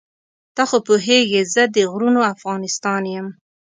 ته خو پوهېږې زه د غرونو افغانستان یم.